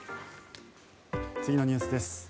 次のニュースです。